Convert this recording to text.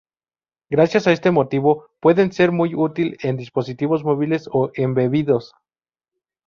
Gracias a este motivo, pueden ser muy útil en dispositivos móviles o embebidos.